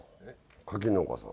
柿農家さん。